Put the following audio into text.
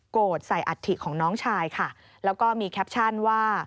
ใส่อัฐิของน้องชายค่ะแล้วก็มีแคปชั่นว่า